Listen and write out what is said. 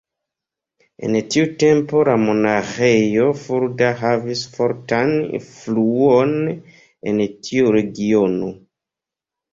En tiu tempo la monaĥejo Fulda havis fortan influon en tiu regiono.